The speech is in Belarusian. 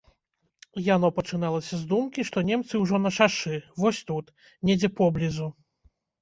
Яно пачыналася з думкі, што немцы ўжо на шашы, вось тут, недзе поблізу.